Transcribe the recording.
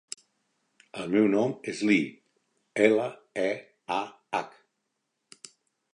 El meu nom és Leah: ela, e, a, hac.